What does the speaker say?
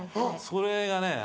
それがね